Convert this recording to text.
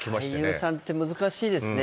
俳優さんって難しいですね